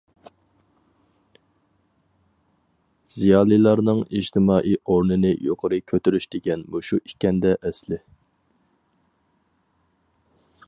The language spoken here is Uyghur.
زىيالىيلارنىڭ ئىجتىمائىي ئورنىنى يۇقىرى كۆتۈرۈش دېگەن مۇشۇ ئىكەندە ئەسلى.